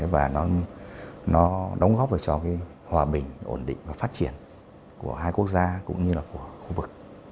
và nó đóng góp cho cái hòa bình ổn định và phát triển của hai quốc gia cũng như là của khu vực